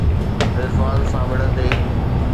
رضوان سان وڙهندي؟